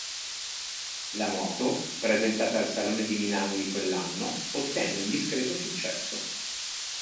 La moto, presentata al Salone di Milano di quell'anno, ottenne un discreto successo.